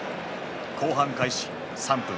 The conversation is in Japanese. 後半開始３分。